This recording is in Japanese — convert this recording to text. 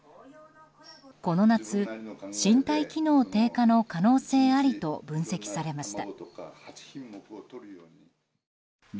この夏身体機能低下の可能性ありと分析されました。